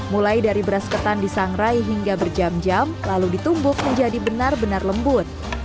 mulai dari beras ketan disangrai hingga berjam jam lalu ditumbuk menjadi benar benar lembut